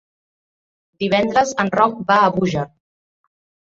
Divendres en Roc va a Búger.